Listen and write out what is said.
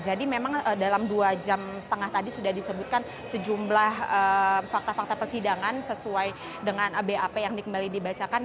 jadi memang dalam dua jam setengah tadi sudah disebutkan sejumlah fakta fakta persidangan sesuai dengan abap yang dikembali dibacakan